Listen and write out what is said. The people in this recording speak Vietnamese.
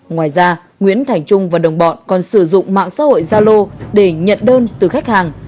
ngoài ra nguyễn thành trung và đồng bọn còn sử dụng mạng xã hội gia lô để nhận đơn từ khách hàng